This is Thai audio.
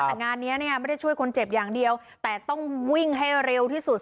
แต่งานนี้เนี่ยไม่ได้ช่วยคนเจ็บอย่างเดียวแต่ต้องวิ่งให้เร็วที่สุด